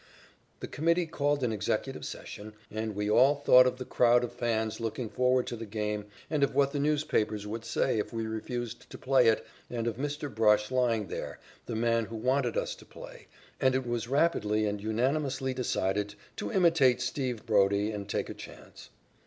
The committee called an executive session, and we all thought of the crowd of fans looking forward to the game and of what the newspapers would say if we refused to play it and of Mr. Brush lying there, the man who wanted us to play, and it was rapidly and unanimously decided to imitate "Steve" Brodie and take a chance.